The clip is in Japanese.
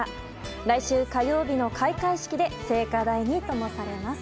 来週火曜日の開会式で聖火台にともされます。